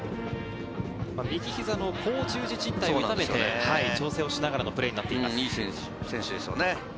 右膝の後十字じん帯を痛めて調整をしながらのプレーになっています。